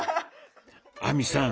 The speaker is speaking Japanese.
亜美さん